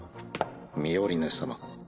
ミオリネ様。